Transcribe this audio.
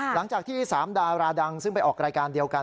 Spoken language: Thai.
หลังจากที่๓ดาราดังซึ่งไปออกรายการเดียวกัน